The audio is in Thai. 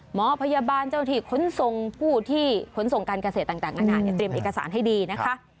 หมอพยาบาลเจ้าที่ขนส่งผู้ที่ขนส่งการเกษตรต่างอาณาเตรียมเอกสารให้ดีนะคะ